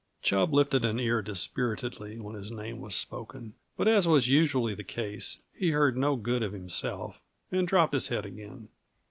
Chub lifted an ear dispiritedly when his name was spoken; but, as was usually the case, he heard no good of himself, and dropped his head again.